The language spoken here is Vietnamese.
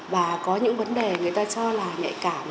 và có những vấn đề người ta cho là nhạy cảm